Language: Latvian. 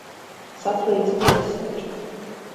Saplīsa maiss taču.